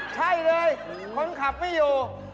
ใช่เลยคนขับไม่อยู่